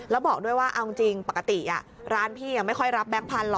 แล้วบอกด้วยว่าปกติร้านพี่ไม่ค่อยรับแบงค์พันธุ์ล่อ